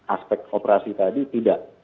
aspek operasi tadi tidak